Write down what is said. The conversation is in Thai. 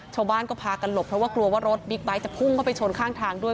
ชาวบ้านก็พากันหลบเพราะว่ากลัวว่ารถบิ๊กไบท์จะพุ่งเข้าไปชนข้างทางด้วย